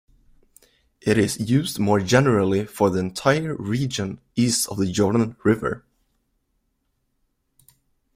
It is used more generally for the entire region east of the Jordan River.